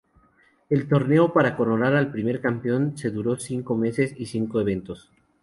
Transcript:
El torneo para coronar al primer campeón se duró cinco meses y cinco eventos.